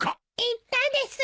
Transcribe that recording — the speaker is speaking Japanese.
言ったです